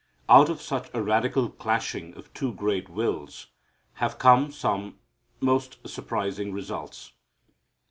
Out of such a radical clashing of two great wills have come some most surprising results.